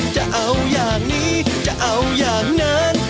จะเอาอย่างนี้จะเอาอย่างนั้น